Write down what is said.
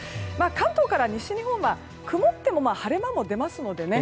関東から西日本は曇っても、晴れ間も出ますのでね